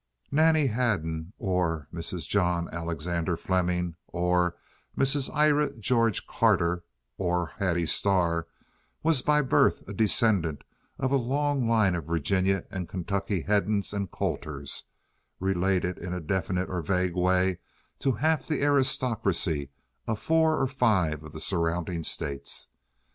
Nannie Hedden, or Mrs. John Alexander Fleming, or Mrs. Ira George Carter, or Hattie Starr, was by birth a descendant of a long line of Virginia and Kentucky Heddens and Colters, related in a definite or vague way to half the aristocracy of four or five of the surrounding states.